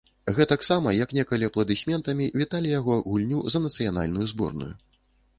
Гэтаксама, як некалі апладысментамі віталі яго гульню за нацыянальную зборную.